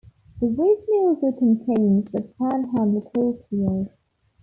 The region also contains the Panhandle Coalfield.